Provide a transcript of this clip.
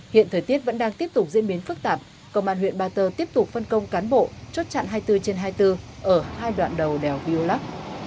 hiện thời tiết vẫn đang tiếp tục diễn biến phức tạp công an huyện ba tơ tiếp tục phân công cán bộ chốt chặn hai mươi bốn trên hai mươi bốn ở hai đoạn đầu đèo viêu lắc